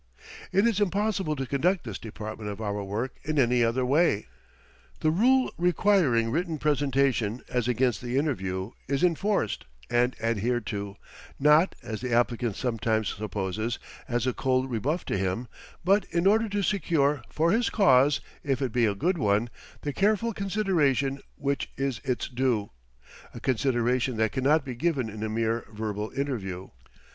It is impossible to conduct this department of our work in any other way. The rule requiring written presentation as against the interview is enforced and adhered to not, as the applicant sometimes supposes, as a cold rebuff to him, but in order to secure for his cause, if it be a good one, the careful consideration which is its due a consideration that cannot be given in a mere verbal interview.